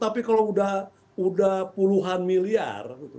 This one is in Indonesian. tapi kalau udah puluhan miliar